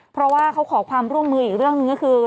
เพราะว่าเขาขอความร่วมมืออีกเรื่องหนึ่งก็คือ